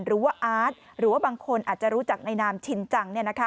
หรือว่าอาร์ตหรือว่าบางคนอาจจะรู้จักในนามชินจัง